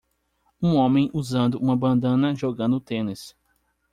Um homem usando uma bandana jogando tênis.